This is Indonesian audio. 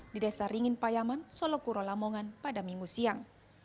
di desa ringin payaman solokuro lamongan pada minggu siang